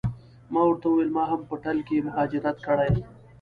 ما ورته وویل ما هم په ټل کې مهاجرت کړی.